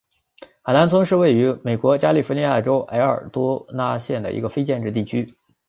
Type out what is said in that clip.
海兰村是位于美国加利福尼亚州埃尔多拉多县的一个非建制地区。